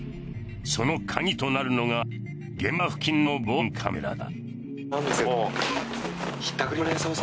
そのカギとなるのが現場付近の防犯カメラだ。